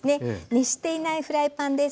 熱していないフライパンです。